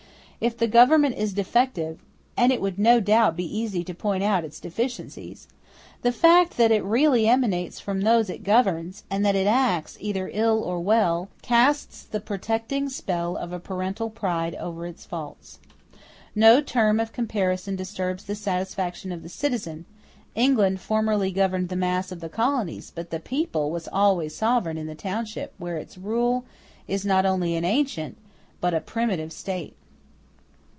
If the government is defective (and it would no doubt be easy to point out its deficiencies), the fact that it really emanates from those it governs, and that it acts, either ill or well, casts the protecting spell of a parental pride over its faults. No term of comparison disturbs the satisfaction of the citizen: England formerly governed the mass of the colonies, but the people was always sovereign in the township where its rule is not only an ancient but a primitive state.